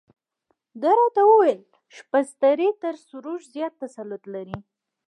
ده راته وویل شبستري تر سروش زیات تسلط لري.